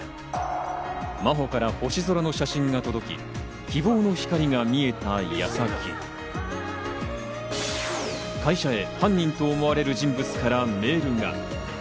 真帆から星空の写真が届き、希望の光が見えた矢先、会社へ犯人と思われる人物からメールが。